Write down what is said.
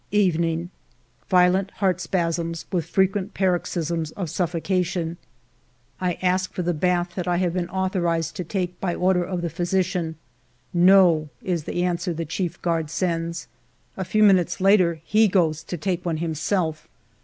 Evening. Violent heart spasms, with frequent paroxysms of suffocation. I ask for the bath that I have been authorized to take by order of the physician. " No," is the 1 84 FIVE YEARS OF MY LIFE answer the chief guard sends. A few minutes later he goes to take one himself.